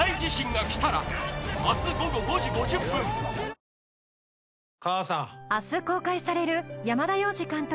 ニトリ明日公開される山田洋次監督